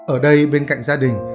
ở đây bên cạnh gia đình